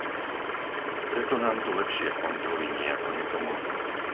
Preto nám tu lepšie kontroly nijako nepomôžu.